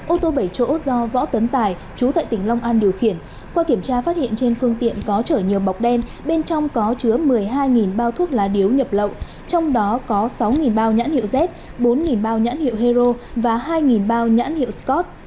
ô tô bảy chỗ do võ tấn tài chú tại tỉnh long an điều khiển qua kiểm tra phát hiện trên phương tiện có chở nhiều bọc đen bên trong có chứa một mươi hai bao thuốc lá điếu nhập lậu trong đó có sáu bao nhãn hiệu z bốn bao nhãn hiệu hero và hai bao nhãn hiệu scott